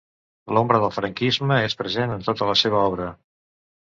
L'ombra del franquisme és present en tota la seva obra.